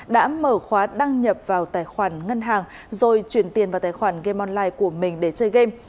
đã mở khóa đăng nhập vào tài khoản ngân hàng rồi chuyển tiền vào tài khoản game online của mình để chơi game